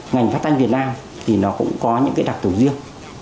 ngành phát thanh việt nam thì nó cũng có những cái đặc tổ riêng